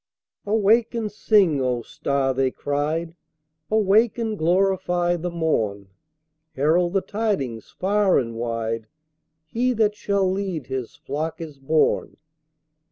"Awake and sing, O star!" they cried. "Awake and glorify the morn! Herald the tidings far and wide He that shall lead His flock is born!"